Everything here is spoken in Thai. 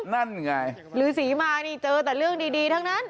นั่นไงฤษีมานี่เจอแต่เรื่องดีทั้งนั้น